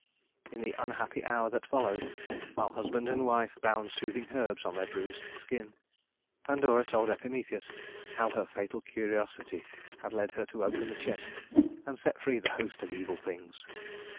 In the unhappy hour that followed, while husband and wife bound soothing herbs on their bruised skin, Pandora told Epimetheus how her fatal curiosity had led her to open the chest and set free the host of evil things.